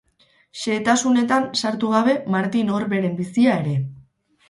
Xehetasunetan sartu gabe Martin Orberen bizia ere.